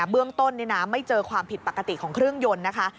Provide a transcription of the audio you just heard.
เบื้องต้นไม่เจอความผิดปกติของเครื่องยนต์นะคะ